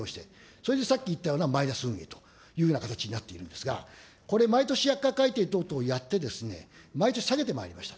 それでさっき言ったようなマイナス運営というような形になっているんですが、これ、毎年薬価改定等々をやって、毎年下げてまいりました。